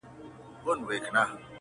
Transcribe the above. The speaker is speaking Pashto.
• چي ورته سر ټيټ كړمه ، وژاړمه.